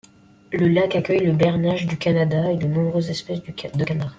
Le lac accueille la Bernache du Canada et de nombreuses espèces de canards.